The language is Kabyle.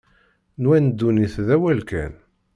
Nwan ddunit d awal kan.